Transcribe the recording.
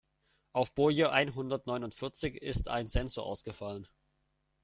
Auf Boje einhundertneunundvierzig ist ein Sensor ausgefallen.